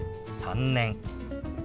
「３年」。